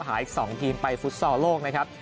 อีก๒ทีมไปฟุตซอลโลกนะครับ